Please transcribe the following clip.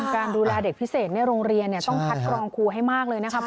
การดูแลเด็กพิเศษในโรงเรียนต้องคัดกรองครูให้มากเลยนะครับ